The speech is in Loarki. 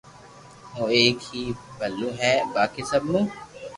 او ايڪ ھي جو ڀلو ھو باقي سب مون